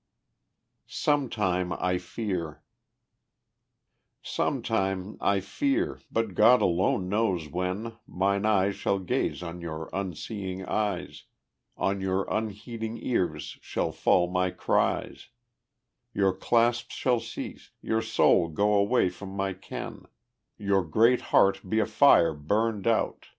Sometime, I Fear Sometime, I fear, but God alone knows when, Mine eyes shall gaze on your unseeing eyes, On your unheeding ears shall fall my cries, Your clasp shall cease, your soul go from my ken, Your great heart be a fire burned out.